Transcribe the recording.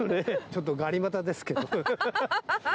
ちょっとがにまたですけど。